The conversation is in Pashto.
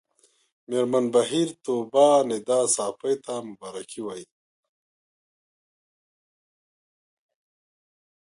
مېرمن بهیر طوبا ندا ساپۍ ته مبارکي وايي